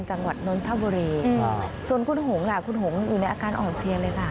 จังหวัดนนทบุรีส่วนคุณหงล่ะคุณหงอยู่ในอาการอ่อนเพลียเลยค่ะ